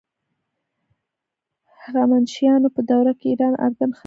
هخامنشیانو په دوره کې ایران اردن ښار نیسي.